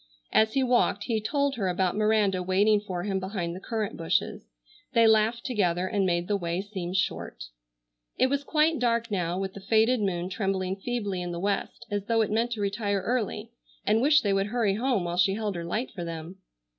As he walked he told her about Miranda waiting for him behind the currant bushes. They laughed together and made the way seem short. It was quite dark now, with the faded moon trembling feebly in the West as though it meant to retire early, and wished they would hurry home while she held her light for them.